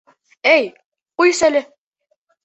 Әй, ҡуйсәле!